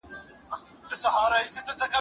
زه دې د مینې پوروړی یمه